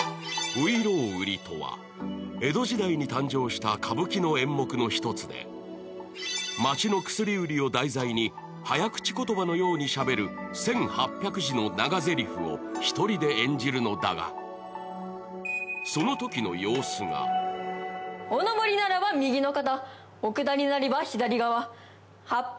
「外郎売」とは江戸時代に誕生した歌舞伎の演目の一つで町の薬売りを題材に早口言葉のようにしゃべる１８００字の長ぜりふを１人で演じるのだが、そのときの様子が果たして、坂本彩はどんな成長を見せるのか？